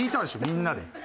みんなで。